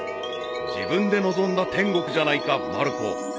［自分で望んだ天国じゃないかまる子］